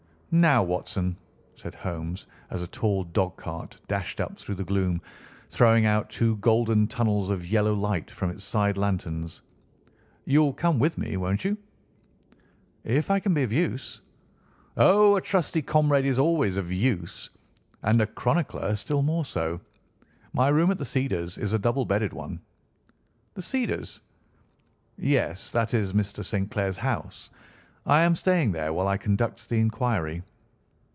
"Now, Watson," said Holmes, as a tall dog cart dashed up through the gloom, throwing out two golden tunnels of yellow light from its side lanterns. "You'll come with me, won't you?" "If I can be of use." "Oh, a trusty comrade is always of use; and a chronicler still more so. My room at The Cedars is a double bedded one." "The Cedars?" "Yes; that is Mr. St. Clair's house. I am staying there while I conduct the inquiry."